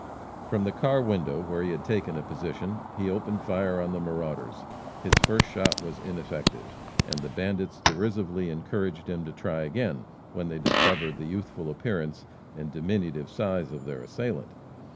From the car window, where he had taken a position, he opened fire on the marauders. His first shot was ineffective, and the bandits derisively encouraged him to try again, when they discovered the youthful appearance and diminutive size of their assailant.